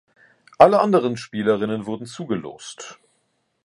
Alle anderen Spielerinnen wurden zugelost.